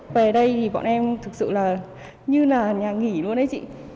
về đây thì bọn em thực sự là như là nhà nghỉ luôn ấy chị